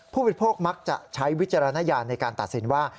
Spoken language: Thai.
ผู้บริโภคมักจะใช้วิจารณญาณในการตัดสินว่า